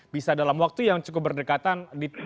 bisa dalam waktu yang cukup berdekatan